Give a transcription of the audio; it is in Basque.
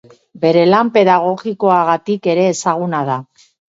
Bere lan pedagogikoagatik ere ezaguna da.